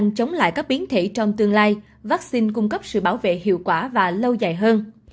chống lại các biến thể trong tương lai vaccine cung cấp sự bảo vệ hiệu quả và lâu dài hơn